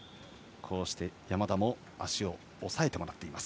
山田も足を押さえてもらっています。